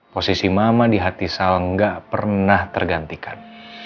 posisi mama di hati sal gak pernah tergantikan